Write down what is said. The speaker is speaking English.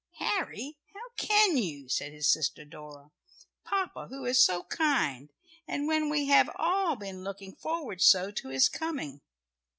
"Harry! how can you?" said his sister Dora. "Papa who is so kind, and when we have all been looking forward so to his coming."